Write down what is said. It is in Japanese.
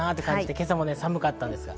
今朝も寒かったです。